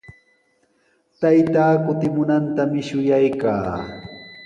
Taytaa kutimunantami shuyaykaa.